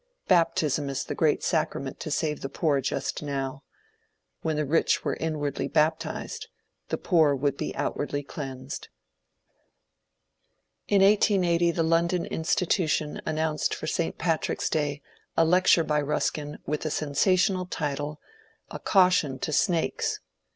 Baptism is the great sacrament to save the poor just now; when the rich were inwardly baptized, the poor would be outwardly cleansed. In 1880 the London Institution announced for St. Patrick's Day a lecture by Buskin with the sensational title, *^ A Cau tion to Snakes."